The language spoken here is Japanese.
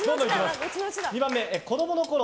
２番目、子供のころ